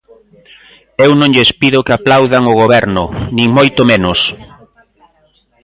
Eu non lles pido que aplaudan o Goberno, nin moito menos.